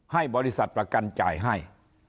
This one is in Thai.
ให้บริษัทประกันจ่ายให้